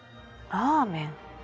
ラーメン。